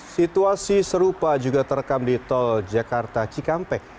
situasi serupa juga terekam di tol jakarta cikampek